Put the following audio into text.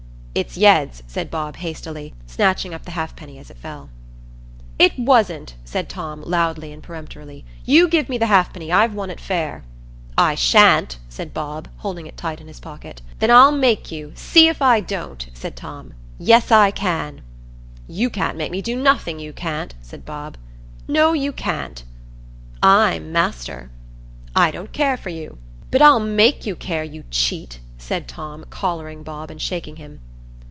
"It's yeads," said Bob, hastily, snatching up the halfpenny as it fell. "It wasn't," said Tom, loudly and peremptorily. "You give me the halfpenny; I've won it fair." "I sha'n't," said Bob, holding it tight in his pocket. "Then I'll make you; see if I don't," said Tom. "You can't make me do nothing, you can't," said Bob. "Yes, I can." "No, you can't." "I'm master." "I don't care for you." "But I'll make you care, you cheat," said Tom, collaring Bob and shaking him.